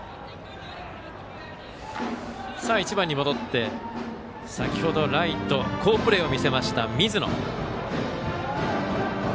打順は１番に戻って先程、ライトで好プレーを見せた水野。